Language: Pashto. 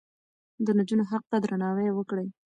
د نجونو حق ته درناوی وکړه.